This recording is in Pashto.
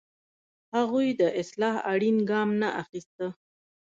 هغوی د اصلاح اړین ګام نه اخیسته.